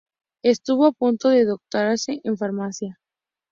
Estuvo a punto de doctorarse en Farmacia.